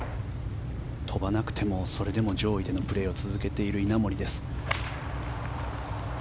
飛ばなくても、それでも上位でのプレーを続けている稲森です。